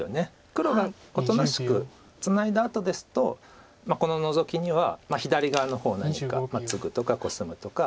黒がおとなしくツナいだあとですとこのノゾキには左側の方何かツグとかコスむとか。